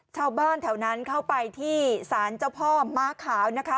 ชาวบ้านแถวนั้นเข้าไปที่สารเจ้าพ่อม้าขาวนะคะ